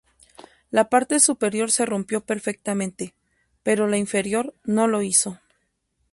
La parte superior se rompió perfectamente, pero la inferior no lo hizo.